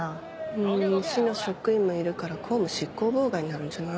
うん市の職員もいるから公務執行妨害になるんじゃない？